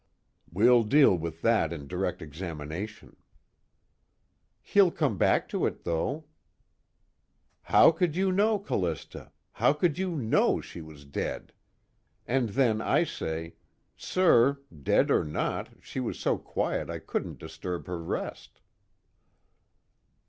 '" "We'll deal with that in direct examination." "He'll come back to it, though. 'How could you know, Callista? How could you know she was dead?' And then I say: 'Sir, dead or not, she was so quiet I couldn't disturb her rest.'"